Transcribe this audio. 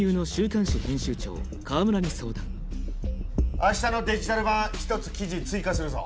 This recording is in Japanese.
明日のデジタル版１つ記事追加するぞ。